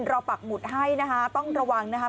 ปักหมุดให้นะคะต้องระวังนะคะ